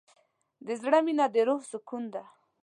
د زړه مینه د روح سکون ده.